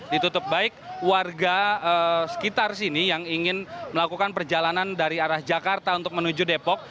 ditutup baik warga sekitar sini yang ingin melakukan perjalanan dari arah jakarta untuk menuju depok